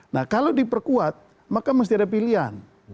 nah kalau diperkuat maka mesti ada pilihan